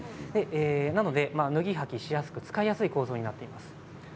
なので、脱ぎはきしやすく使いやすい構造になっています。